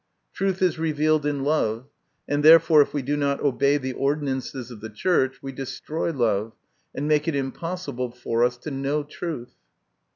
Truth is revealed in love, and, therefore, if we do not obey the ordinances of the Church, we destroy love, and make it impossible for us to know truth.